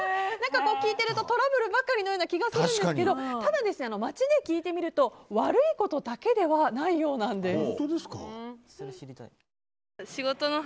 聞いているとトラブルばかりのような気がするんですがただ、街で聞いてみると悪いことだけではないようです。